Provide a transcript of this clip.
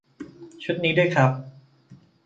ชุดนี้ด้วยครับ